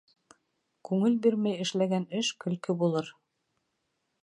Күңел бирмәй эшләгән эш көлкө булыр.